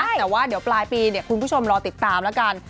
แต่ว่าเดี๋ยวปลายปีเดี๋ยวคุณผู้ชมรอติดตามแล้วกัน